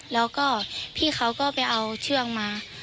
แล้วก็พี่เขาก็ไปเอาเชือกมา